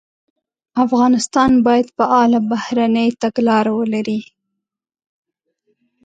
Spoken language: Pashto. افغانستان باید فعاله بهرنۍ تګلاره ولري.